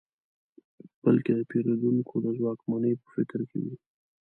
بلکې د پېرودونکو د ځواکمنۍ په فکر کې وي.